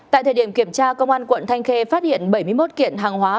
tại thời điểm kiểm tra công an quận thanh khê phát hiện bảy mươi một kiện hàng hóa